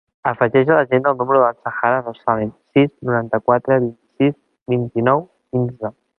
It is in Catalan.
Afegeix a l'agenda el número de l'Azahara Rozalen: sis, noranta-quatre, vint-i-sis, vint-i-nou, quinze.